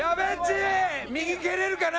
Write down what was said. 右蹴れるかな？